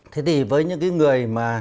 thế thì với những cái người mà